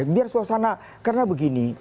biar suasana karena begini